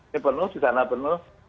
ini penuh di sana penuh